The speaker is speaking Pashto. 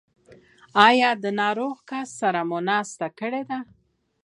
ایا له ناروغ کس سره مو ناسته کړې ده؟